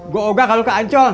gue oga kalau ke ancol